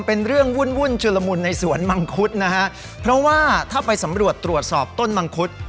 เป็นเรื่องวุ่นวุ่นชุลมุนในสวนมังคุดนะฮะเพราะว่าถ้าไปสำรวจตรวจสอบต้นมังคุด